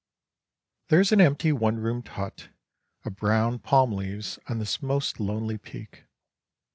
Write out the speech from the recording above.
There is an empty one roomed hut of brown palm leaves on this most lonely peak.